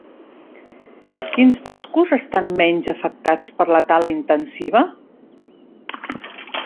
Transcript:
Quins boscos estan menys afectats per la tala intensiva?